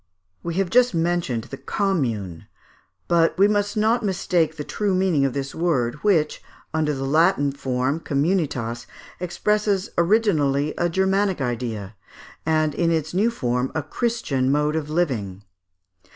] We have just mentioned the Commune; but we must not mistake the true meaning of this word, which, under a Latin form (communitas), expresses originally a Germanic idea, and in its new form a Christian mode of living.